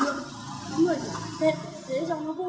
có người thì bảo những thời đấy